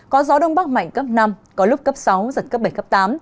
có gió đông bắc mạnh cấp năm có lúc cấp sáu giật cấp bảy cấp tám